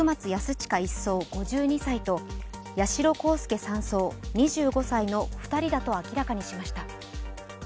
親１曹５２歳と八代航佑３曹２５歳の２人だと明らかにしました。